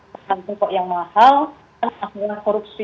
pesan pokok yang mahal dan akhirnya korupsi